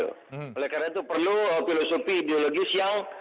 oleh karena itu perlu filosofi ideologis yang